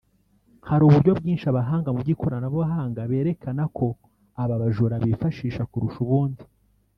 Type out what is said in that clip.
Hari uburyo bwinshi abahanga mu by’ikoranabuhanga berekana ko aba bajura bifashisha kurusha ubundi